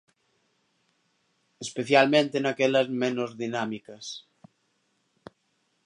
Especialmente naquelas menos dinámicas.